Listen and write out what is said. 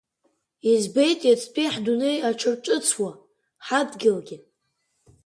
Избеит иацтәи ҳдунеи аҽарҿыцуа, ҳадгьылгьы…